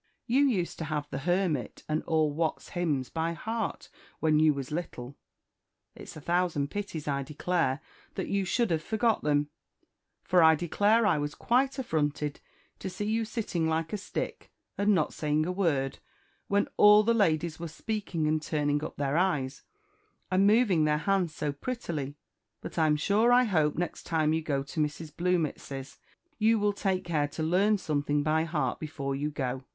You used to have the Hermit and all Watts's Hymns by heart, when you was little. It's a thousand pities, I declare, that you should have forgot them; for I declare I was quite affronted to see you sitting like a stick, and not saying a word, when all the ladies were speaking and turning up their eyes, and moving their hands so prettily; but I'm sure I hope next time you go to Mrs. Bluemits's you will take care to learn something by heart before you go.